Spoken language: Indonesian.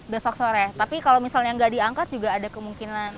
besok sore tapi kalau misalnya nggak diangkat juga ada kemungkinan